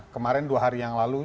kemarin dua hari yang lalu